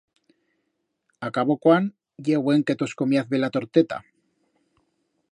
A cabo cuan ye buen que tos comiaz bela torteta.